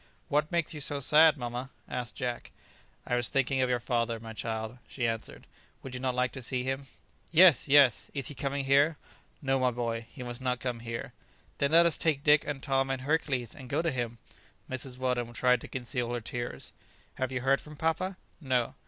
"What makes you so sad, mamma?" asked Jack. "I was thinking of your father, my child," she answered; "would you not like to see him?" "Yes, yes; is he coming here?" "No, my boy, he must not come here." "Then let us take Dick, and Tom, and Hercules, and go to him." Mrs. Weldon tried to conceal her tears. "Have you heard from papa?" "No."